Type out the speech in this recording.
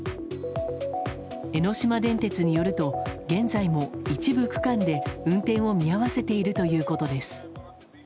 江ノ島電鉄によると、現在も一部区間で運転を見合わせているということです。